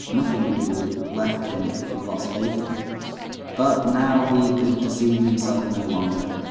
(Nothing would be left him if he lost faith in it.) But now he could deceive himself no longer.